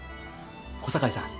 小堺さん